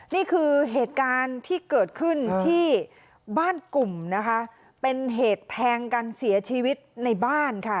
นี่คือเหตุการณ์ที่เกิดขึ้นที่บ้านกลุ่มนะคะเป็นเหตุแทงกันเสียชีวิตในบ้านค่ะ